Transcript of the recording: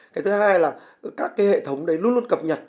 cái thứ hai là các cái hệ thống đấy luôn luôn cập nhật